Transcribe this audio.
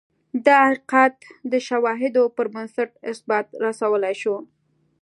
دا حقیقت د شواهدو پربنسټ اثبات رسولای شو.